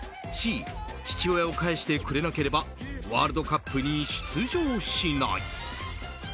Ｃ、父親を返してくれなければワールドカップに出場しない。